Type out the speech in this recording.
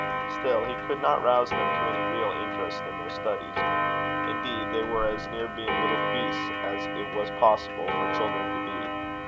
Still, he could not rouse them to any real interest in their studies. Indeed, they were as near being little beasts as it was possible for children to be.